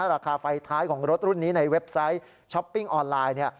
ราคาไฟท้ายของรถรุ่นนี้ในเว็บไซต์ช้อปปิ้งออนไลน์